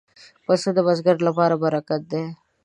پسه د بزګر لپاره برکت دی.